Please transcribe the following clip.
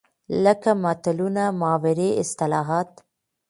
لکه متلونه، محاورې ،اصطلاحات